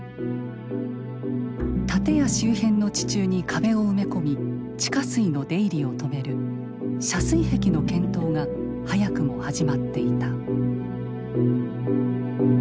建屋周辺の地中に壁を埋め込み地下水の出入りを止める遮水壁の検討が早くも始まっていた。